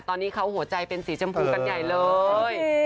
ตอนนี้เขาหัวใจเป็นสีชมพูกันใหญ่เลย